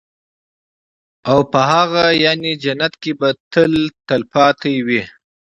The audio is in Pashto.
او په هغه يعني جنت كي به تل تلپاتي وي